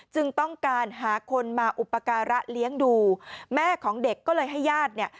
จึงต้องการหาคนมาอุปการะเลี้ยงดูแม่ของเด็กก็เลยให้ญาติเนี่ย